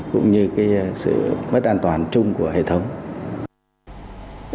cũng như sự mất an toàn chung của hệ thống